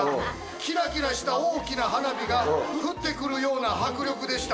キラキラした大きな花火がふってくる様な迫力でした」。